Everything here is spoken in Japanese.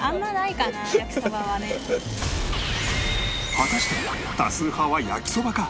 果たして多数派は焼きそばか？